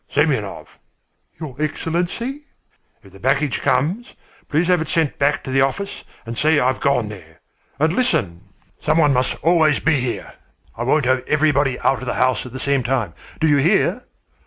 "Semyonov." "Your Excellency?" "If the package comes, please have it sent back to the office and say I've gone there. And listen! Some one must always be here. I won't have everybody out of the house at the same time. Do you hear?"